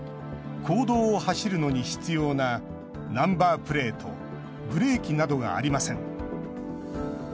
公道を走るのに必要なナンバープレートブレーキなどがありません。